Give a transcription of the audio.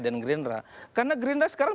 dan gerindra karena gerindra sekarang